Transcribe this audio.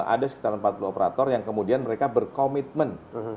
ada sekitar empat puluh operator yang kemudian mereka berkomitmen